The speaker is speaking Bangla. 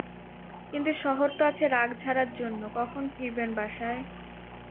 কিন্তু শহর তো আছে রাগ ঝাড়ার জন্য কখন ফিরবেন বাসায়?